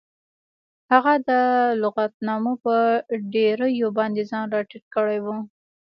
هغه د لغتنامو په ډیریو باندې ځان راټیټ کړی و